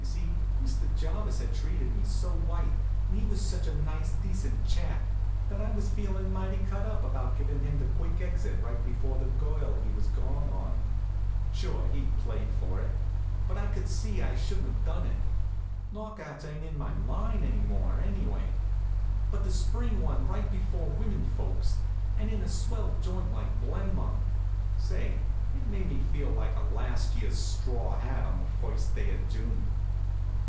You see, Mr. Jarvis had treated me so white, and he was such a nice decent chap, that I was feelin' mighty cut up about givin' him the quick exit right before the girl he was gone on. Sure, he'd played for it; but I could see I shouldn't have done it. Knock outs ain't in my line any more, anyway; but to spring one right before women folks, and in a swell joint like Blenmont say, it made me feel like a last year's straw hat on the first day of June.